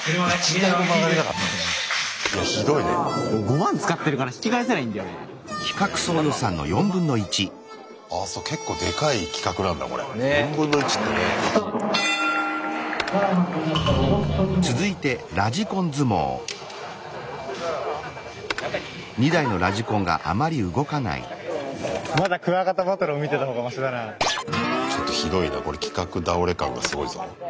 ちょっとひどいなこれ企画倒れ感がすごいぞ。